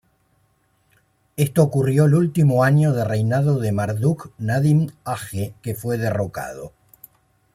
Esto ocurrió el último año de reinado de Marduk-nādin-aḫḫe, que fue derrocado.